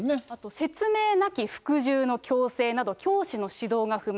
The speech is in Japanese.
説明なき服従の強制など、教師の指導が不満。